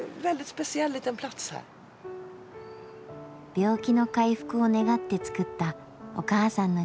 病気の回復を願って作ったお母さんの人形。